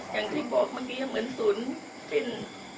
อย่างที่บอกเมื่อกี้เหมือนศูนย์สิ้น